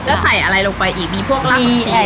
แล้วใส่อะไรลงไปอีกมีพวกรากผักชี